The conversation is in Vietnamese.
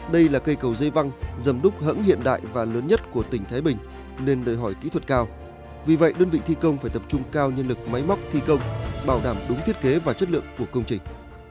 đây là cây cầu dây văng dầm đúc hẳng hiện đại và lớn nhất của tỉnh thái bình nên đòi hỏi kỹ thuật cao vì vậy đơn vị thi công phải tập trung cao nhân lực máy móc thi công bảo đảm đúng thiết kế và chất lượng của công trình